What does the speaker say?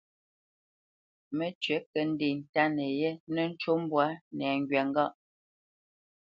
Mə́cywǐ kə̂ ndê ntánə yé nə́ ncú mbwǎ nɛŋgywa ŋgâʼ.